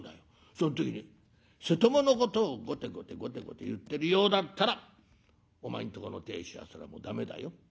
その時に瀬戸物のことをごてごてごてごて言ってるようだったらお前んとこの亭主はそれはもう駄目だよ。